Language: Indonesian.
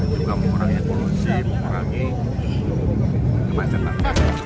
juga mengurangi evolusi mengurangi kemacetan